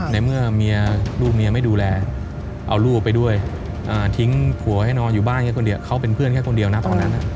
ในเมื่อลูกเมียไม่ดูแลเอาลูกไปด้วยทิ้งผัวให้นอนอยู่บ้านแค่คนเดียวเขาเป็นเพื่อนแค่คนเดียวนะตอนนั้น